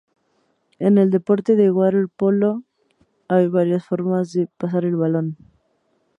En el deporte del waterpolo hay varias formas de pasar el balón.